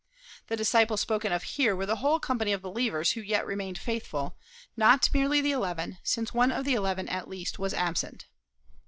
The disciples spoken of here were the whole company of believers who yet remained faithful not merely the eleven, since one of the eleven at least was absent.